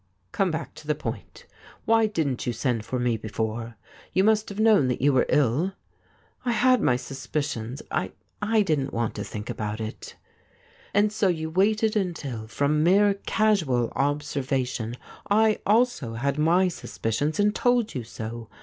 ' Come back to the point. Why didn't you send for me before — you must have known that you were ill ?' 'I had ray suspicions. I — I didn't want to think about it.' ' And so you waited until, from mere casual observation, I also had my suspicions, and told you so.